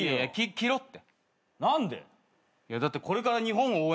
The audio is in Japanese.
着ろって。